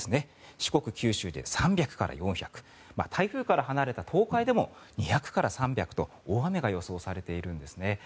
四国、九州で３００から４００ミリ台風から離れた東海でも２００から３００と大雨が予想されているんですね。